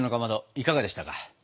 いかがでしたか？